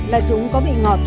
là chúng có vị ngọt